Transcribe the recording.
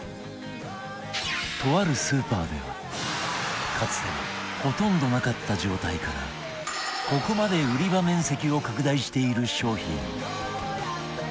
とあるスーパーではかつてはほとんどなかった状態からここまで売り場面積を拡大している商品